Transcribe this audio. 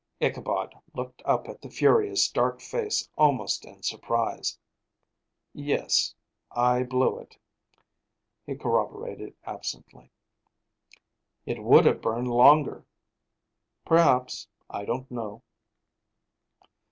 Ichabod looked up at the furious, dark face almost in surprise. "Yes, I blew it," he corroborated absently. "It would have burned longer." "Perhaps I don't know."